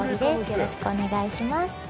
よろしくお願いします。